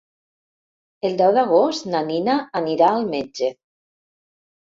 El deu d'agost na Nina anirà al metge.